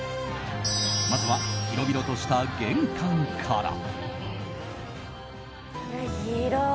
まずは、広々とした玄関から。